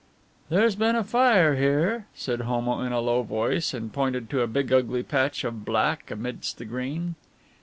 "There's been a fire here," said Homo in a low voice, and pointed to a big ugly patch of black amidst the green.